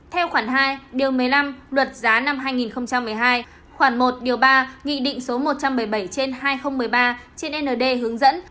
theo khoản hai điều một mươi năm luật giá năm hai nghìn một mươi hai khoảng một điều ba nghị định số một trăm bảy mươi bảy trên hai nghìn một mươi ba trên nd hướng dẫn